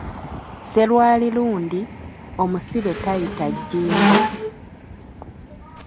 Sserwali lundi, omusibe tayita Jjimbo.